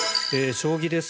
将棋です。